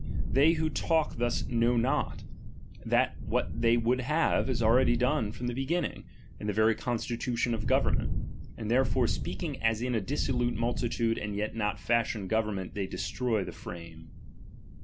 They who talk thus know not, that what they would have, is already done from the beginning, in the very constitution of govern ment ; and therefore speaking as in a dissolute multitude and yet not fashioned government, they destroy the frame.